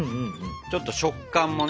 ちょっと食感もね。